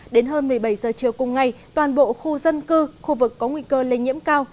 đến hơn một mươi bảy giờ chiều cùng ngày toàn bộ khu dân cư khu vực có nguy cơ lây nhiễm cao